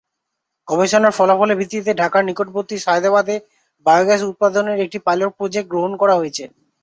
গবেষণার ফলাফলের ভিত্তিতে ঢাকার নিকটবর্তী সায়েদাবাদে বায়োগ্যাস উৎপাদনের একটি পাইলট প্রজেক্ট গ্রহণ করা হয়েছে।